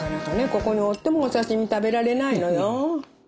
ここにおってもお刺身食べられないのよ。